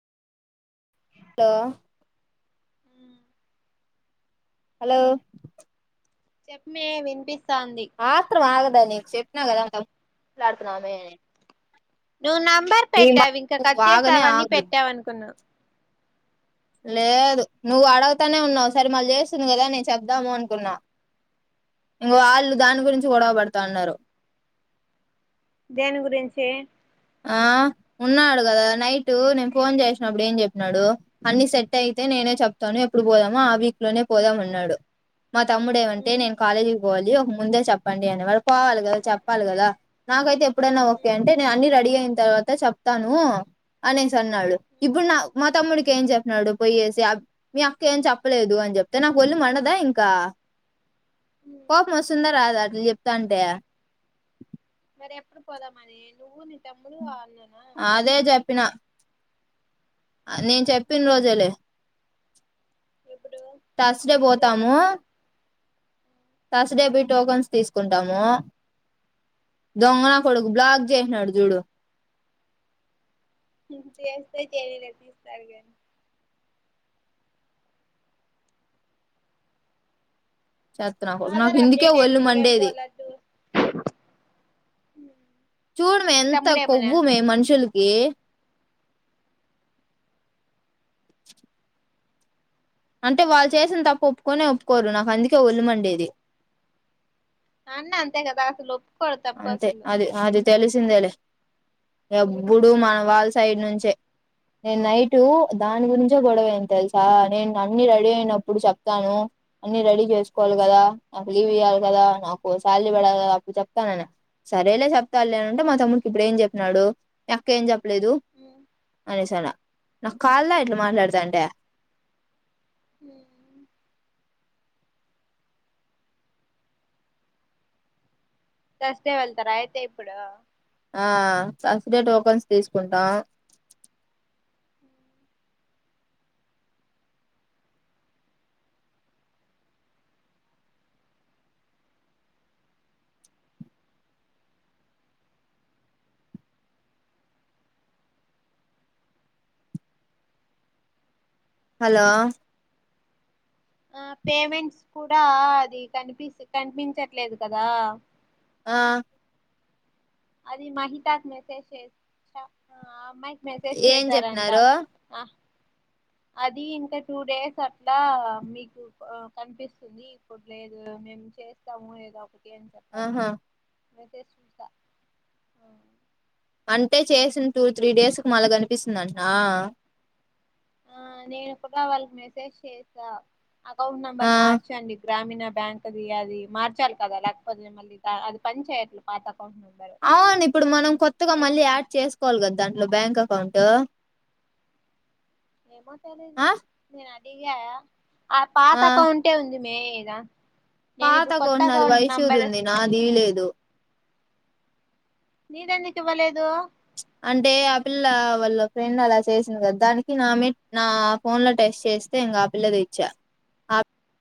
లో అ [unintelligible] హలో చెప్పు మే వినిపిస్ ఆత్రం ఆగ దా నీకు చెప్పిన కదా మాట్లాడుతున్నామే అని నువ్వు నంబర్ పెట్టావు ఇంకా కట్ ఆగనే చేసావు వాని ఆగదు పెట్టావు అనుకున్నా లేదు నువ్వు అడగుతానే ఉన్నావు సరి మళ్ళీ చేస్తుంది కదా నేను చెప్తాము అనుకున్నా ఇంగో ఆళ్ళు దాని గురించి గొడవ పడతాన్నారు దేని గురించి ఆ ఉన్నాడు గదా నైట్ నేను ఫోన్ జేసినప్పుడు ఏం చెప్పినాడు అన్ని సెట్ ట్ అయితే నేనే చెప్తాను ఎపు ఇప్పుడు పోదామా ఆ వీక్ లోనే పోదాం అన్నాడు మా తమ్ముడు ఏమంటే నేను కాలేజీ కోవాలి ఒక ముందే చెప్పండి అనే వాళ్లు పోవాలి కదా? చెప్పాలి కదా? నాకైతే ఎప్ ఎప్పుడన్న ఓకే అంటే, నే అన్నీ రడి రెడీ అయిన్తర్వాత చెప్తానూ, అనేసి అన్ న్నాడు ఇప్పుడు నా మా తమ్ముడికి ఏం చెప్పినాడు పోయేస్? జాబ్ మీ అక్క ఏం చెప్పలేదు అని చెప్తే, నాకు ఒళ్ళు మండదా ఇంకా? కోపమస్తుందా రాదా? అట్ల చెప్ దంటే? మరి ఎప్పుడు పోదామ్మరి? నువ్వు నిన్ ఆదే జెప్పిన. అ, నేన్ చెప్పిన రోజేలే. ఎప్పుడు తర్స్ డే ఫెస్టివల్ పోతామూ అప్పుడా తర్స్ డే బోయ్ టోకన్స్ తీసుకుంటాము. దొంగనా కొడుకు బ్లాక్ చేసినాడు, జూడు. చేస్తే చేయనిలే, తీస్తాడు గని? చెత్త నాకొడుకు, నాకు ఆధార్ ఇందుకే అప్డేట్ ఒల్లు అయింది ఇంకేం మండేది. పోలా టూర్ చూడు మే, నీ ఎంత తమ్ముడేమనా కొవ్వు మే మనుషులు. ఏ? [inaudible] అంటే వాళ్ళు చేసిన్తప్పు ఒప్పుకొనే ఒప్పుకోరు. నాకు అందుకే ఒళ్ళుమండేది? ఆ అన్న అంతే కదా, అసలొప్ అంతే, అది ఆది. తెలిసిందేలే, ఎప్పుడు మన వాళ సైడ్ నుంచే. నేన్ నైటు దానిగురించే గొడవైంది తెల్సా? నేన్ అన్నీ రెడీ ఐనప్పుడు చెప్తాను. అన్ని రెడీ చేసుకోవాల్గదా? నాకు లీవ్ ఇయ్యాల్గాదా? నాకు సాలరీ పడాలి గదా? అపుడు చెప్ త్తానన్, సరేలే చెప్ తల్లెమనుంటే మా తమ్ముడికి ఇప్పుడేం చెప్పినాడు? అక్కెం చెప్ లేదు అనేసన్న. నాక్ కాల్దా ఇట్ల మాట్లాడతాంటే? హ్మ్ తెస్తే వెళ్తారా అయితే ఇప్పుడు? ఆ ఫస్ట్ డే టోకన్స్ తీసుకుంటాం. హలో ఆ పేమెంట్స్ కూడా, అది కనిపిస్ కనిపించట్లేదు కదా? ఆ అది మాహితాక్ మెసేజ్ చేస్ స్నా. ఆప్ అమ్మాయికి మెసేజ్ ఏం చేసారంట, చెప్పినారు ఆహ్ అది ఇంకా టూ డేస్ అట్లా మీకు ఆ కన్పిస్తుంది, ఇప్పుడు లేదు. మేము చేస్తాము ఏదో ఒకట్ ఏం చెప్పారు. ఆహా అయితే చూసా. ఆహా. అంటే? చేసిన్ టూ, త్రీ డేస్ కు మళ్ళ కనిపిస్తుందంటనా? ఆ నేను కూడా వాళ్ళకి మెసేజ్ చేసా అకౌంట్ ఆ నెంబర్ మార్చండి ఇటు గ్రామీణ బ్యాంక్ది అది మార్చాలి కదా లేకపోతే మళ్ళీ ఇక అది పనిచేయట్లేదు మాట అవును ఇప్పుడు మనం కొత్తగా మెస్ మళ్ళీ యాడ్ చేసుకోవాలి కదా దాంట్లో బ్యాంక్ అకౌంటు ఏమో తెలీదు నేను యాడ్ చెయ్యాయా ఆ పాత అకౌంటే ఉంది మేద పాత అకౌంట్ నాది వైషూ ది ఉంది నాది లేదు నీదెందుకు ఇవ్వలేదు అంటే ఆ పిల్ల వాళ్ళ ఫ్రెండ్ అలా చేసంది కదా, దానికి నామీ నా ఫోన్ లో టెస్ట్ చేస్తే ఇంకా పిల్లది ఇచ్చా. ఆ